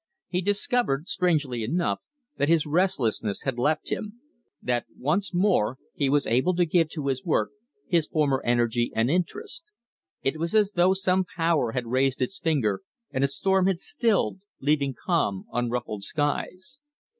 He discovered, strangely enough, that his restlessness had left him, that once more he was able to give to his work his former energy and interest. It was as though some power had raised its finger and a storm had stilled, leaving calm, unruffled skies.